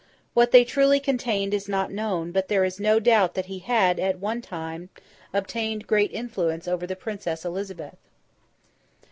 What they truly contained is not known; but there is no doubt that he had, at one time, obtained great influence over the Princess Elizabeth.